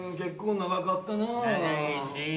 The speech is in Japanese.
長いし。